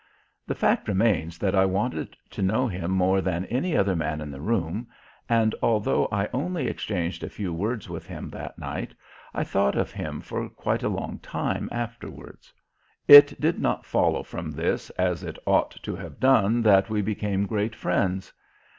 The fact remains that I wanted to know him more than any other man in the room, and although I only exchanged a few words with him that night, I thought of him for quite a long time afterwards. It did not follow from this as it ought to have done that we became great friends.